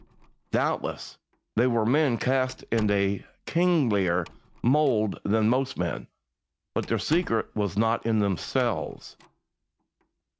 Doubtless, they were men cast in a kinglier mould than most men; but their secret was not in themselves.